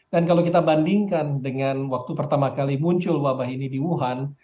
dan kalau kita bandingkan dengan waktu pertama kali muncul wabah ini di wuhan